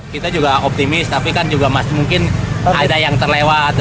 kita juga optimis tapi kan juga mungkin ada yang terlewat